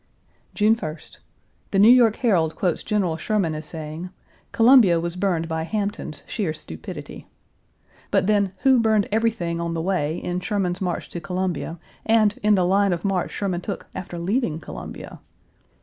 June 1st. The New York Herald quotes General Sherman as saying, "Columbia was burned by Hampton's sheer stupidity." But then who burned everything on the way in Sherman's march to Columbia, and in the line of march Sherman took after leaving Columbia?